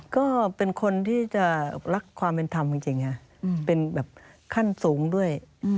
ก็เป็นคนที่จะรักความเป็นธรรมจริงเป็นแบบขั้นสูงด้วย